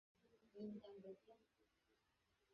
তিনি অনেকটা বন্দী জীবন কাটান।